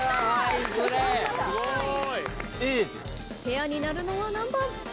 ペアになるのは何番？